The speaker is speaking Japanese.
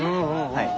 はい。